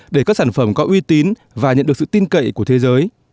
để các sản phẩm có uy tín và nhận được sự tin cậy của thế giới